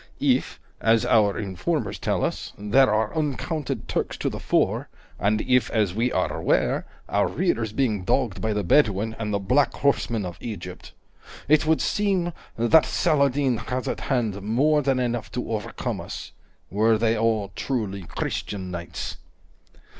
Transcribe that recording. If, as our informers tell us, there are uncounted Turks to the fore, and if, as we are aware, our rear is being dogged by the Bedouin and the black horsemen of Egypt, it would seem that Saladin has at hand more than enough to overcome us, were they all truly Christian knights."